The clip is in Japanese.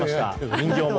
人形も。